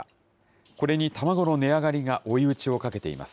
これに卵の値上がりが追い打ちをかけています。